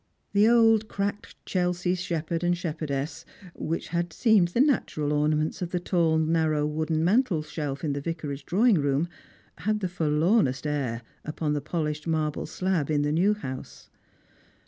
The old cracked Chelsea shepherd and shepherdesss, which had seemed the natural ornaments of the tall narrow wooden mantel shelf in the Vicarage drawing room, had the forlornest air upon the polished marble slab in the new house.